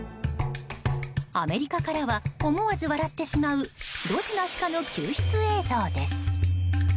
アメリカからは思わず笑ってしまうドジなシカの救出映像です。